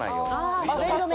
滑り止め。